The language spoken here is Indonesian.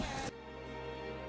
iya gak tidur